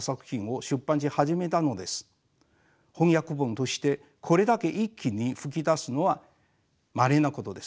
翻訳本としてこれだけ一気に噴き出すのはまれなことです。